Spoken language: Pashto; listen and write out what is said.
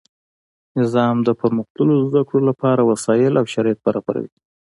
نظام د پرمختللو زده کړو له پاره وسائل او شرایط برابروي.